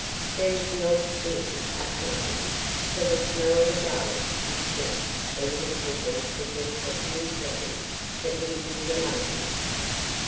There was not a sting upon him, for the smell of the garlic had checked the Little People for just the few seconds that he was among them.